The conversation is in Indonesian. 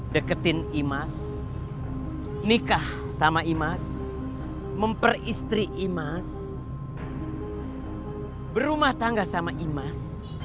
deketin imas nikah sama imas memperistri imas berumah tangga sama imas